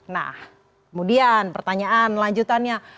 nah kemudian pertanyaan lanjutannya